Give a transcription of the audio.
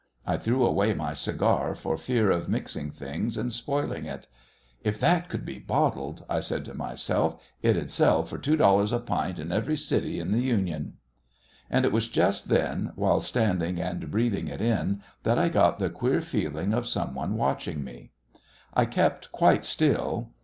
I threw away my cigar for fear of mixing things and spoiling it. "If that could be bottled," I said to myself, "it'd sell for two dollars a pint in every city in the Union!" And it was just then, while standing and breathing it in, that I got the queer feeling of some one watching me. I kept quite still.